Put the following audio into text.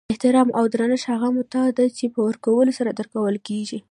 احترام او درنښت هغه متاع ده چی په ورکولو سره درکول کیږي